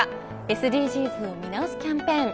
ＳＤＧｓを見直すキャンペーン。